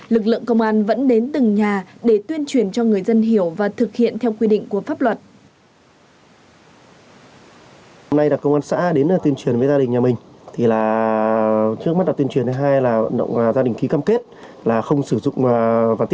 lực lượng công an vẫn đến từng nhà để tuyên truyền cho người dân hiểu và thực hiện theo quy định của pháp luật